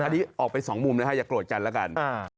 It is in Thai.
อันนี้ออกไป๒มุมอย่าโกรธจันทร์แล้วกัน